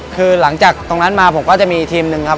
คือหลังจากตรงนั้นมาผมก็จะมีทีมหนึ่งครับ